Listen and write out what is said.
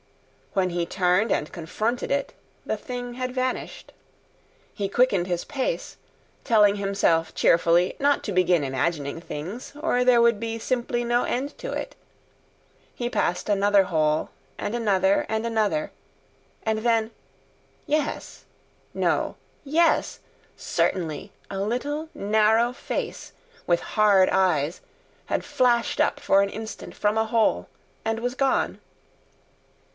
When he turned and confronted it, the thing had vanished. He quickened his pace, telling himself cheerfully not to begin imagining things, or there would be simply no end to it. He passed another hole, and another, and another; and then—yes!—no!—yes! certainly a little narrow face, with hard eyes, had flashed up for an instant from a hole, and was gone.